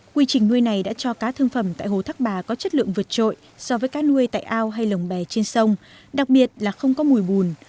quy trình nuôi này đã cho cá thương phẩm tại hồ thác bà có chất lượng vượt trội so với cá nuôi tại ao hay lồng bè trên sông đặc biệt là không có mùi bùn